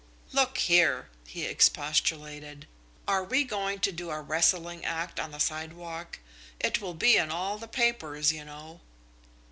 "Look here," he expostulated, "are we going to do a wrestling act on the sidewalk? It will be in all the papers, you know."